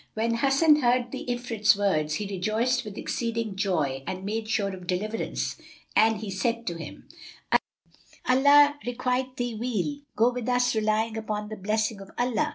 When Hasan heard the Ifrit's words, he rejoiced with exceeding joy and made sure of deliverance; and he said to him, "Allah requite thee weal! Go with us relying upon the blessing of Allah!"